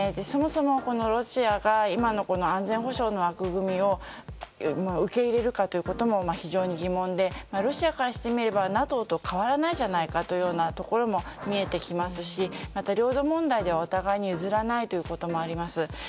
そもそもロシアが今の安全保障の枠組みを受け入れるかということも非常に疑問でロシアからしてみればＮＡＴＯと変わらないんじゃないかということ見えてきますしまた領土問題ではお互いに譲らないということもあります。